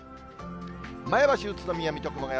前橋、宇都宮、水戸、熊谷。